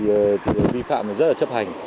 có những người thì vi phạm rất là chấp hành